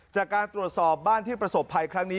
จากการตรวจสอบบ้านที่ประสบภัยครั้งนี้